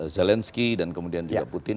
zelensky dan kemudian juga putin